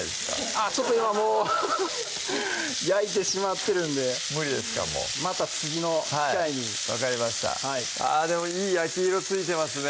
あっちょっと今もう焼いてしまってるんで無理ですかもうまた次の機会に分かりましたあでもいい焼き色ついてますね